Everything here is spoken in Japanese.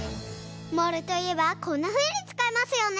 モールといえばこんなふうにつかいますよね。